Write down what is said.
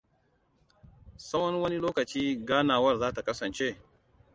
Tsawon wane lokaci ganawar zata kasance?